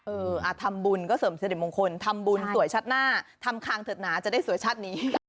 ทำบุญก็เสริมสิริมงคลทำบุญสวยชาติหน้าทำคางเถิดหนาจะได้สวยชาตินี้